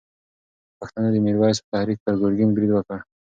پښتنو د میرویس په تحریک پر ګرګین برید وکړ.